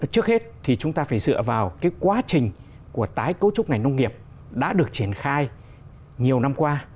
trước hết thì chúng ta phải dựa vào cái quá trình của tái cấu trúc ngành nông nghiệp đã được triển khai nhiều năm qua